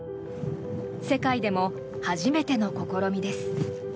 世界でも初めての試みです。